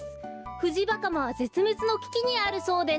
フジバカマはぜつめつのききにあるそうです！